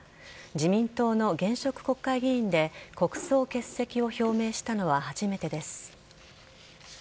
自民党の現職国会議員で国葬欠席を表明したのは初めてです。